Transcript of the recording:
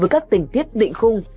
với các tình tiết định khung